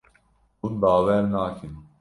Hûn bawer nakin.